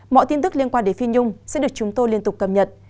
mọi tin tức liên quan đến phi nhung sẽ được chúng tôi liên tục cập nhật